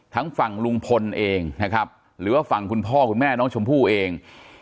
ทั้งฝั่งลุงพลเองนะครับหรือว่าฝั่งคุณพ่อคุณแม่น้องชมพู่เอง